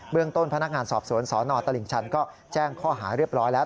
เรื่องต้นพนักงานสอบสวนสนตลิ่งชันก็แจ้งข้อหาเรียบร้อยแล้ว